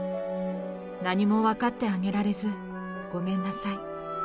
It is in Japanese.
何も分かってあげられずごめんなさい。